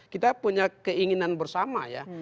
kita punya keinginan bersama ya